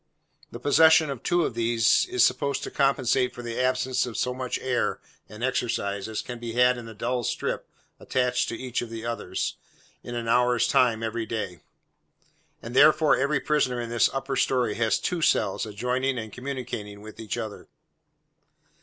The possession of two of these, is supposed to compensate for the absence of so much air and exercise as can be had in the dull strip attached to each of the others, in an hour's time every day; and therefore every prisoner in this upper story has two cells, adjoining and communicating with, each other.